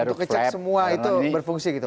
untuk kecek semua itu berfungsi gitu pak